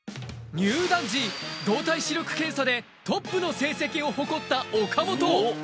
入団時、動体視力検査でトップの成績を誇った岡本。